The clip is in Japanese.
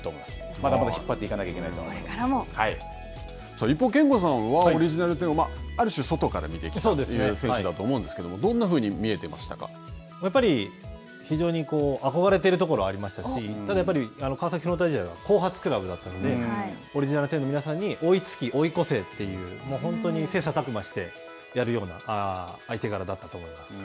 まだまだ引っ張っていかなきゃい一方、憲剛さんは、オリジナル１０をある種、外から見てきたという選手だと思うんですけどやっぱり非常に憧れているところはありましたし、ただやっぱり川崎フロンターレが後発クラブだったので、オリジナル１０の皆さんに追いつき追い越せという、本当に切さたく磨してやるような相手だったと思います。